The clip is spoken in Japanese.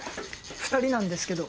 ２人なんですけど。